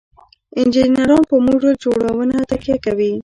انجینران په موډل جوړونه تکیه کوي.